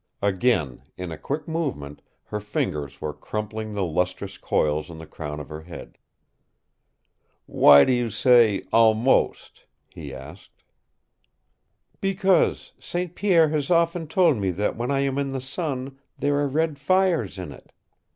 Again, in a quick movement, her fingers were crumpling the lustrous coils on the crown of her head. "Why do you say 'almost'?" he asked. "Because St. Pierre has often told me that when I am in the sun there are red fires in it.